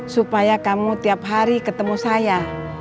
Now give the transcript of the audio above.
supaya kamu tiap hari ketemu saya